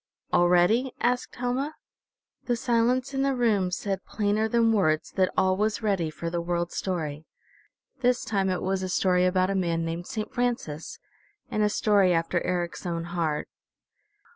"All ready?" asked Helma. The silence in the room said plainer than words that all was ready for the World Story. This time it was a story about a man named Saint Francis, and a story after Eric's own heart.